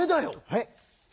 はい？